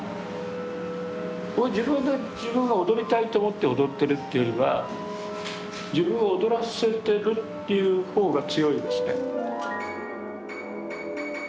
自分で自分が踊りたいと思って踊ってるっていうよりは自分を踊らせてるっていう方が強いですね。